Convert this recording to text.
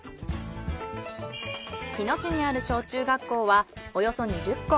日野市にある小・中学校はおよそ２０校。